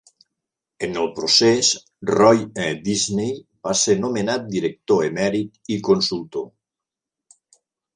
En el procés, Roy E. Disney va ser nomenat director emèrit i consultor.